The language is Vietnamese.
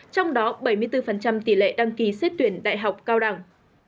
trong đó bảy mươi bốn tỷ lệ đăng ký xét tuyển đại học cao đẳng